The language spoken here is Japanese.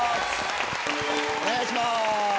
お願いします！